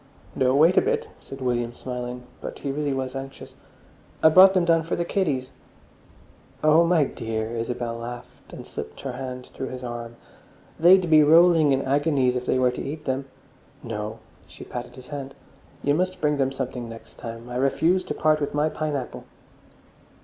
"No, wait a bit," said William, smiling. But he really was anxious. "I brought them down for the kiddies." "Oh, my dear!" Isabel laughed, and slipped her hand through his arm. "They'd be rolling in agonies if they were to eat them. No"—she patted his hand—"you must bring them something next time. I refuse to part with my pineapple."